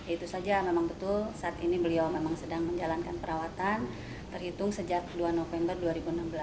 itu saja memang betul saat ini beliau memang sedang menjalankan perawatan terhitung sejak dua november dua ribu enam belas